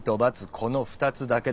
この２つだけだ。